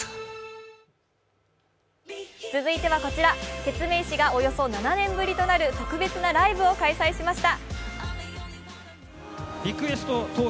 続いてはこちら、ケツメイシがおよそ７年ぶりとなる特別なライブを開催しました。